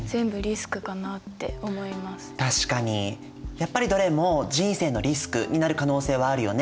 やっぱりどれも人生のリスクになる可能性はあるよね。